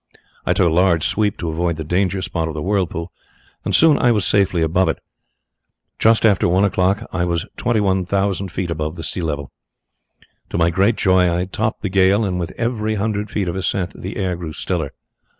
I took a large sweep to avoid the danger spot of the whirlpool, and soon I was safely above it. Just after one o'clock I was twenty one thousand feet above the sea level. To my great joy I had topped the gale, and with every hundred feet of ascent the air grew stiller.